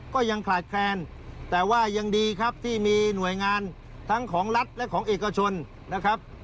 ก็ยังขาดแคลนแต่ว่ายังดีครับที่มีหน่วยงานทั้งของรัฐและของเอกชนนะครับ